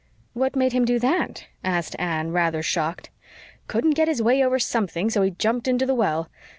"What made him do that?" asked Anne, rather shocked. "Couldn't get his way over something, so he jumped into the well.